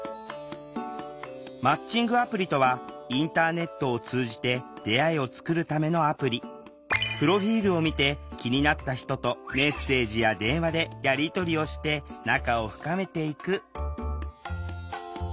マッチングアプリとはインターネットを通じてプロフィールを見て気になった人とメッセージや電話でやり取りをして仲を深めていく。